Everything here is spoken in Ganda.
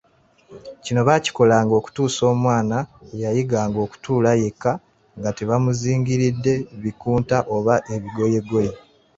Kino baakikolanga okutuusa omwana lwe yayiganga okutuula yekka nga tebamuzingiridde bikunta oba ebigoyegoye.